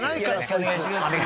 お願いいたします。